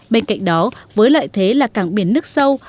bên cạnh đó với lợi thế là cảng biển nước sâu